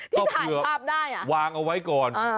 ก็เผื่อที่ถ่ายภาพได้อ่ะวางเอาไว้ก่อนอ่า